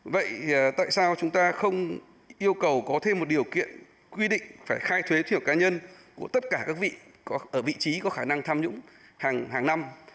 vậy tại sao chúng ta không yêu cầu có thêm một điều kiện quy định phải khai thuế thiểu cá nhân của tất cả các vị ở vị trí có khả năng tham nhũng hàng năm